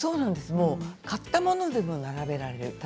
買ったものでも並べられます。